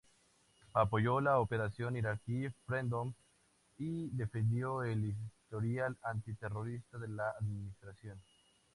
Apoyó la Operación Iraqi Freedom y defendió el historial anti-terrorista de la administración.